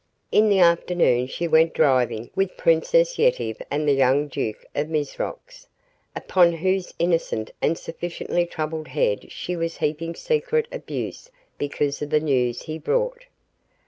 In the afternoon she went driving with Princess Yetive and the young Duke of Mizrox, upon whose innocent and sufficiently troubled head she was heaping secret abuse because of the news he brought.